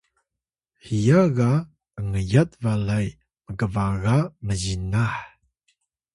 hiya ga ’ngyat balay mkbaga mzinah